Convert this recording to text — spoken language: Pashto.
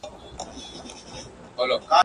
جهاني د خوب نړۍ ده پکښي ورک دی هر وګړی.